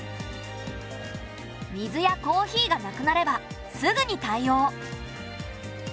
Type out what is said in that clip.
水やコーヒーがなくなればすぐに対応。